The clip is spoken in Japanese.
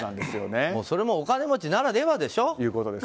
それもお金持ちならではでしょ。